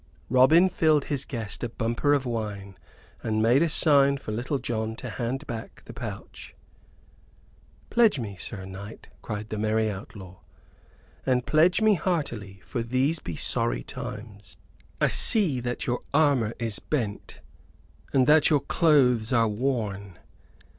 Robin filled his guest a bumper of wine, and made a sign for Little John to hand back the pouch. "Pledge me, Sir Knight," cried the merry outlaw, "and pledge me heartily, for these be sorry times. I see that your armor is bent and that your clothes are worn.